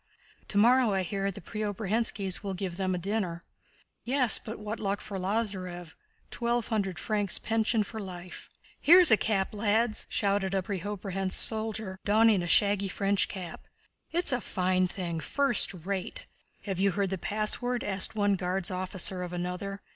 "Tomorrow, I hear, the Preobrazhénskis will give them a dinner." "Yes, but what luck for Lázarev! Twelve hundred francs' pension for life." "Here's a cap, lads!" shouted a Preobrazhénsk soldier, donning a shaggy French cap. "It's a fine thing! First rate!" "Have you heard the password?" asked one Guards' officer of another.